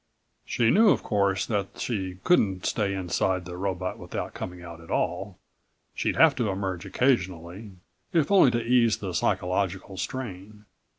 "She knew, of course, that she couldn't stay inside the robot without coming out at all. She'd have to emerge occasionally, if only to ease the psychological strain.